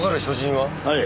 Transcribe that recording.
はい。